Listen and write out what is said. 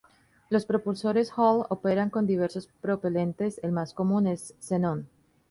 Los propulsores Hall operan con diversos propelentes, el más común es xenón.